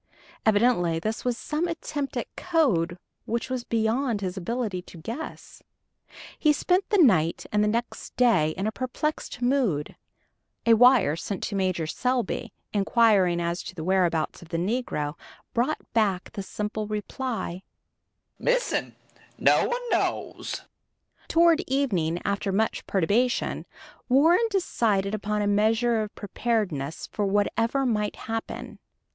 Evidently this was some attempt at code which was beyond his ability to guess. He spent the night and the next day in a perplexed mood. A wire sent to Major Selby, inquiring as to the whereabouts of the negro, brought back the simple reply, "Missing no one knows." Toward evening, after much perturbation, Warren decided upon a measure of preparedness for whatever might happen.